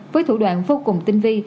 với thủ đoạn vô cùng tinh vi